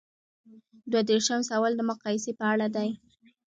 دوه دیرشم سوال د مقایسې په اړه دی.